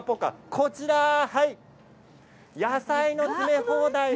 こちらは野菜の詰め放題。